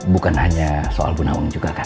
bukan hanya soal bu nawang juga kan